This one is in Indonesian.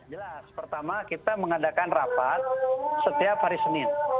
jelas pertama kita mengadakan rapat setiap hari senin